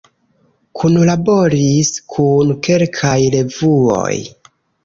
Kunlaboris kun kelkaj revuoj.